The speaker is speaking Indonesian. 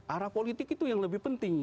arah politik itu yang lebih penting